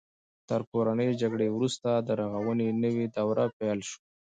تر کورنۍ جګړې وروسته د رغونې نوې دوره پیل شوه.